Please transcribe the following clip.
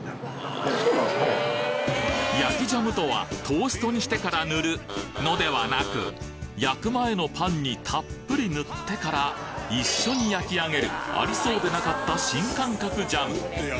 焼きジャムとはトーストにしてから塗るのではなく焼く前のパンにたっぷり塗ってから一緒に焼き上げるありそうでなかった新感覚ジャム